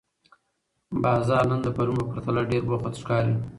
بازار نن د پرون په پرتله ډېر بوخت ښکاري